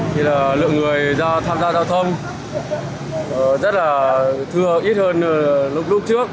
thì là lượng người do tham gia giao thông rất là thưa ít hơn lúc trước